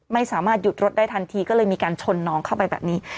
ไม่สามารถหยุดรถได้ทันทีก็เลยมีการชนน้องเข้าไปแบบนี้